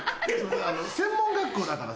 専門学校だからさ。